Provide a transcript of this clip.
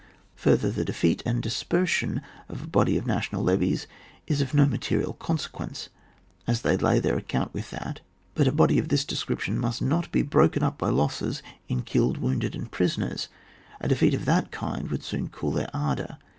Further, the defeat and dispersion of a body of national levies is of no material consequence, as they lay their account with that, but a body of this description must not be broken up by losses in killed, wounded, and prisoners ; a defeat of that kind would soon cool their ardour.